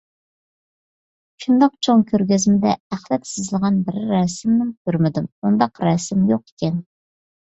- شۇنداق چوڭ كۆرگەزمىدە ئەخلەت سىزىلغان بىرەر رەسىمنىمۇ كۆرمىدىم، ئۇنداق رەسىم يوق ئىكەن.